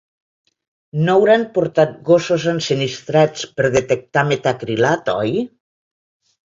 No hauran portat gossos ensinistrats per detectar metacrilat, oi?